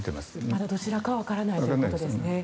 まだわからないということですね。